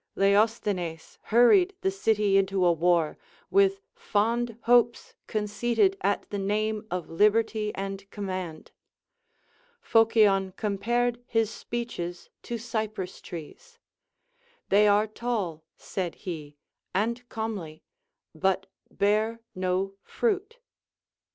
Leosthenes hurried the city into a war, with fond hopes conceited at the name of liberty and command. Phocion compared his speeches to cypress trees ; They are tall, said he, and comely, but bear no frait.